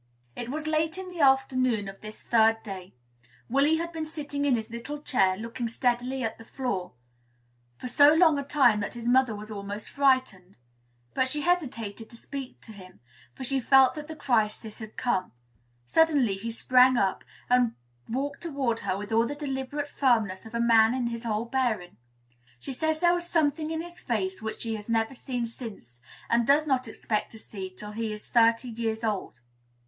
It was late in the afternoon of this the third day. Willy had been sitting in his little chair, looking steadily at the floor, for so long a time that his mother was almost frightened. But she hesitated to speak to him, for she felt that the crisis had come. Suddenly he sprang up, and walked toward her with all the deliberate firmness of a man in his whole bearing. She says there was something in his face which she has never seen since, and does not expect to see till he is thirty years old.